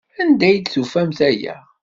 Anda ay d-tufamt aya?